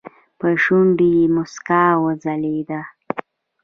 په شونډو يې موسکا وځغلېده.